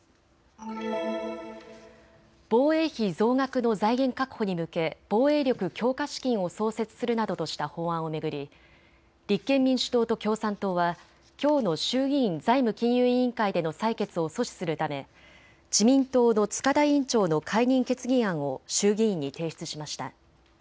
防衛費増額の財源確保に向け防衛力強化資金を創設するなどとした法案を巡り、立憲民主党と共産党はきょうの衆議院財務金融委員会での採決を阻止するため自民党の塚田委員長の解任決議案を衆議院に提出しました。